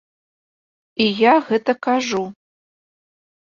І я гэта кажу.